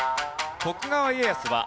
徳川家康は